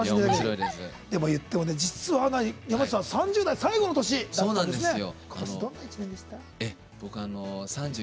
実は山内さん３０代最後の年だったんですよね。